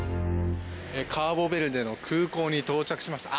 カーボベルデの空港に到着しました。